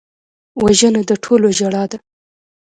وژنه د ټولو ژړا ده